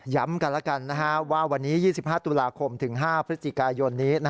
กันแล้วกันว่าวันนี้๒๕ตุลาคมถึง๕พฤศจิกายนนี้